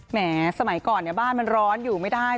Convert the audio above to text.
แหมสมัยก่อนบ้านมันร้อนอยู่ไม่ได้